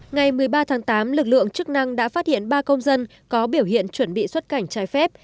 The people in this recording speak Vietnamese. ngày một mươi ba tháng tám lực lượng chức năng đã phát hiện ba công dân có biểu hiện chuẩn bị xuất cảnh trái phép